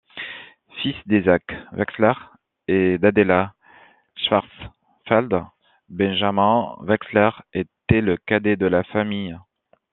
Fils d’Isaac Wechsler et d’Adela Schwarzfeld, Benjamin Wechlser était le cadet de la famille.